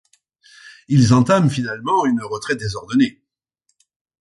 Ils entament finalement une retraite désordonnée.